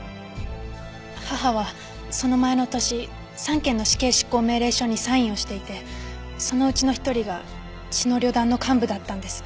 母はその前の年３件の死刑執行命令書にサインをしていてそのうちの一人が血の旅団の幹部だったんです。